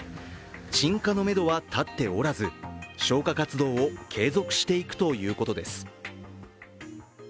鎮火のめどは立っておらず消火活動を継続していくということです。